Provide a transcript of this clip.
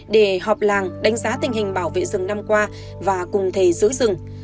để họp làng đánh giá tình hình bảo vệ rừng năm qua và cùng thầy giữ rừng